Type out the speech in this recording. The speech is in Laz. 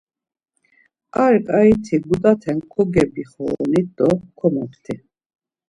Ar ǩaiti gudate kogebixoronit do komopti.